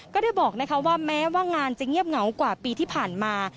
ก็ได้บอกว่าแม้ว่างานจะเงียบเหงากว่าปีที่ผ่านมา